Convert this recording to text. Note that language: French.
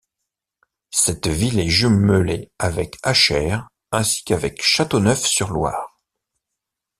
Cette ville est jumelée avec Achères ainsi qu'avec Châteauneuf-sur-Loire.